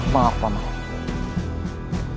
maaf pak mahan